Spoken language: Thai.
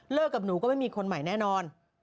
กับหนูก็ไม่มีคนใหม่แน่นอน